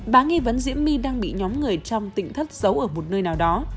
bà nghi vấn diễm my đang bị nhóm người trong tỉnh thất giấu ở một nơi nào đó